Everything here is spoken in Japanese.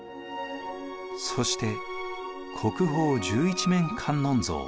そして国宝十一面観音像。